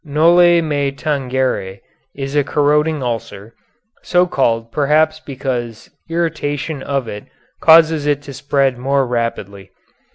Noli me tangere is a corroding ulcer, so called perhaps because irritation of it causes it to spread more rapidly.